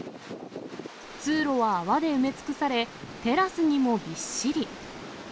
通路は泡で埋め尽くされ、テラスにもびっしり。